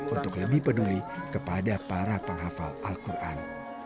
untuk lebih peduli kepada para penghafal al quran